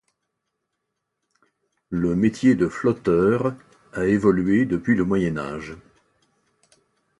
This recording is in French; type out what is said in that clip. Le métier de flotteur a évolué depuis le Moyen Âge.